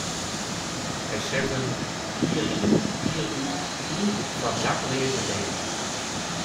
Hy set him jier yn jier út yn foar dakleaze bern.